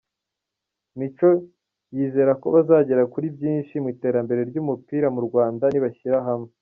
Micho yizera ko bazagera kuri byinshi mu iterambere ry’umupira mu Rwanda nibashyira hamwe.